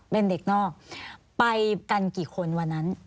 เป็นเด็กนอกไปกันกี่คนวันนั้น